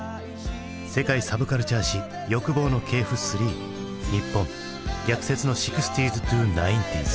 「世界サブカルチャー史欲望の系譜３日本逆説の６０−９０ｓ」。